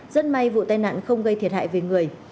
rất may vụ tai nạn không gây thiệt hại về người